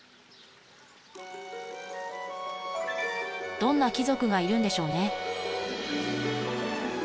どんな貴族がいるんでしょうね